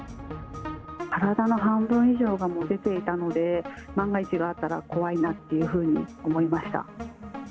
体の半分以上がもう出ていたので、万が一があったら怖いなっていうふうに思いました。